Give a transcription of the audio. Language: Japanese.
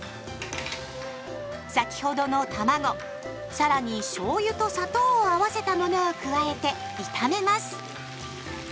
先ほどのたまご更にしょうゆと砂糖を合わせたものを加えて炒めます。